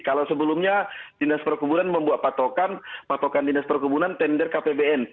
kalau sebelumnya dinas perkebunan membuat patokan patokan dinas perkebunan tender kpbn